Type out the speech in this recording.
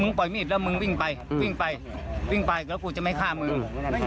ปล่อยมีดแล้วมึงวิ่งไปวิ่งไปวิ่งไปแล้วกูจะไม่ฆ่ามึง